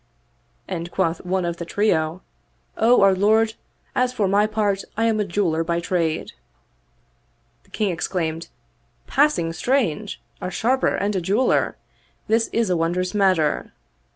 and quoth one of the trio, " O our Lord, as for my art I am a jeweler by trade." The King ex claimed, *' Passing strange 1 a sharper and a jeweler: this is a wondrous matter.'